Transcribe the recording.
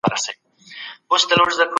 په مجلو کي به مې خامخا لنډې کیسې لوستلې.